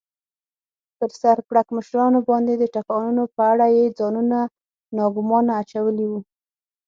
پر سر پړکمشرانو باندې د ټکانونو په اړه یې ځانونه ناګومانه اچولي و.